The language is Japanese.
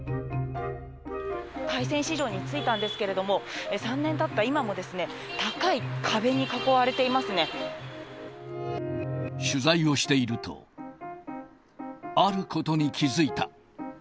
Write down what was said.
海鮮市場に着いたんですけれども、３年たった今もですね、取材をしていると、あることに気付いた。